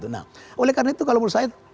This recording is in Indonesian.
nah oleh karena itu kalau menurut saya